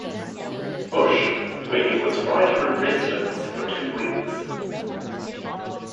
Bush, where he was writer-in-residence for two weeks.